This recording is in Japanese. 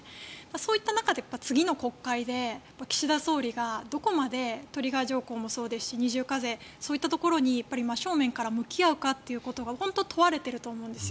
そういった中で次の国会で岸田総理がどこまでトリガー条項もそうですし二重課税そういったところに真正面から向き合うかが本当に問われていると思うんです。